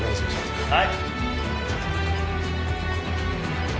はい。